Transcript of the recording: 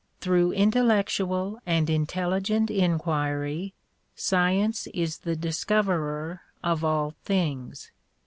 Through intellectual and intelligent inquiry science is the discoverer of all things.